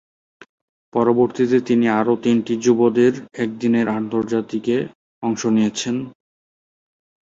পরবর্তীতে তিনি আরও তিনটি যুবদের একদিনের আন্তর্জাতিকে অংশ নিয়েছেন।